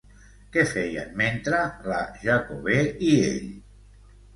Què feien mentre la Jacobè i ell?